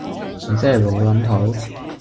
你真係老撚土